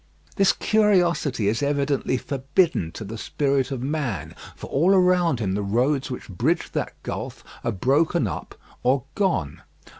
This curiosity is evidently forbidden to the spirit of man; for all around him the roads which bridge that gulf are broken up or gone.